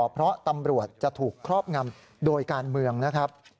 เพราะตำรวจจะถูกครอบงำโดยการเมืองนะครับ